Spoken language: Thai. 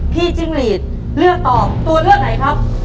จิ้งหลีดเลือกตอบตัวเลือกไหนครับ